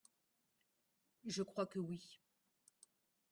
Je crois que oui !